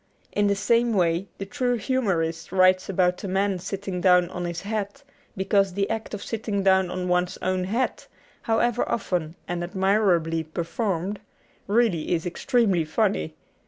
In the same way the true humorist writes about a man sitting down on his hat because the act of sitting down on one's own hat (however often and admirably per formed) really is extremely funny.